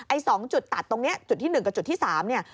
๒จุดตัดตรงนี้จุดที่๑กับจุดที่๓เนี่ย